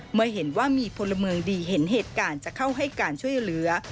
เมื่อเห็นว่ามีพลเมืองดีเห็นเหตุการณ์จะเข้าให้การช่วยเหลือ